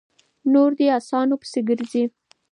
نور دې اسانو پسې ګرځي؛